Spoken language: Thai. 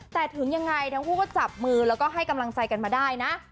แต่ถึงยังไงทั้งคู่ก็จับมือแล้วก็ให้กำลังใจกันมาได้นะ